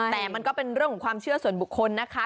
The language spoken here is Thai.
แต่มันก็เป็นเรื่องของความเชื่อส่วนบุคคลนะคะ